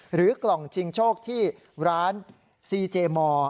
หรือกล่องชิงโชคที่ร้านซีเจมอร์